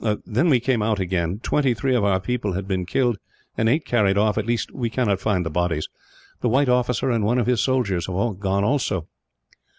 "Then we came out again. Twenty three of our people had been killed, and eight carried off; at least, we cannot find the bodies. The white officer and one of his soldiers have gone, also."